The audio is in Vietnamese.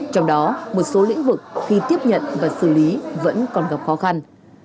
trong đó một số lĩnh vực khi tiếp nhận và xử lý vẫn còn gặp khó khăn